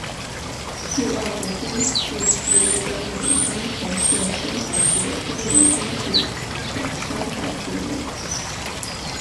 陆奥国分寺是位在日本宫城县仙台市的真言宗智山派寺院。